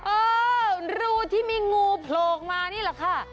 เออรูที่มีงูโผล่ออกมานี่แหละค่ะ